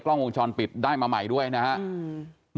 กล้องวงจรปิดได้มาใหม่ด้วยนะครับ